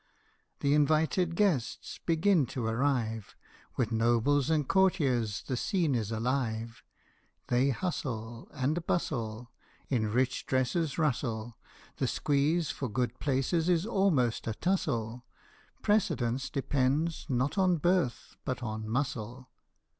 The invited guests begin to arrive : With nobles and courtiers the scene is alive. They hustle, And bustle, In rich dresses rustle ; The squeeze for good places is almost a tussle; Precedence depends not on birth, but on muscle.